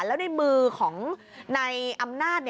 แล้วในมือของนายอำนาจ